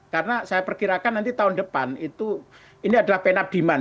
karena saya perkirakan nanti tahun depan itu ini adalah pen up demand